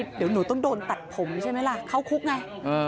เดี๋ยวหนูต้องโดนตัดผมใช่ไหมล่ะเข้าคุกไง